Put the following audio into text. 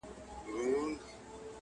پر خپل کور به د مرګي لاري سپرې کړي!.